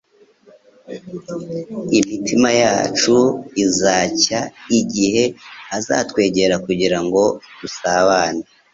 Imitima yacu izacya igihe azatwegera kugira ngo dusabane,